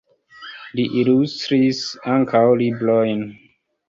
Li ilustris ankaŭ librojn.